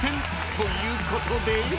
［ということで］